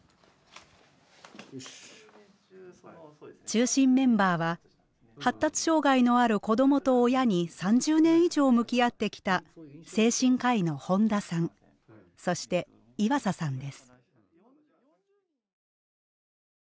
中心メンバーは発達障害のある子どもと親に３０年以上向き合ってきた精神科医の本田さんそして岩佐さんです。